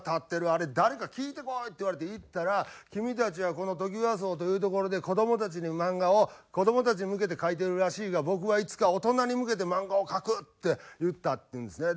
「あれ誰か聞いてこい」って言われて行ったら「君たちはこのトキワ荘という所で子どもたちに漫画を子どもたちに向けて描いてるらしいが僕はいつか大人に向けて漫画を描く」って言ったっていうんですね。